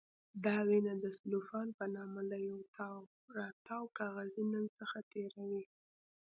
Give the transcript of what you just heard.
دا وینه د سلوفان په نامه له یو تاوراتاو کاغذي نل څخه تېروي.